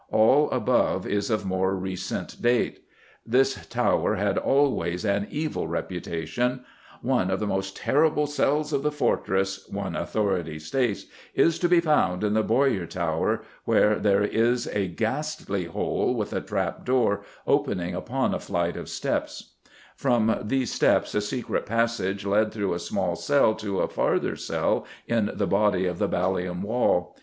all above is of more recent date. This tower had always an evil reputation. "One of the most terrible cells of the fortress," one authority states, "is to be found in the Bowyer Tower, where there is a [Illustration: PART OF A BASTION OF OLD LONDON WALL, WITH CLOCK TOWER OF THE WHITE TOWER] ghastly hole with a trap door, opening upon a flight of steps." From these steps a secret passage led through a small cell to a farther cell in the body of the Ballium Wall.